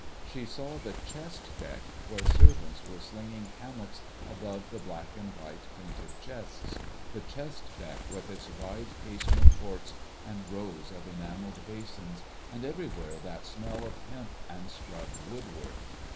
She saw the chest deck, where servants were slinging hammocks above the black and white painted chests—the chest deck with its wide casement ports and rows of enamelled basins, and everywhere that smell of hemp and scrubbed woodwork.